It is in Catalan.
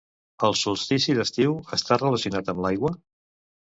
El solstici d'estiu està relacionat amb l'aigua?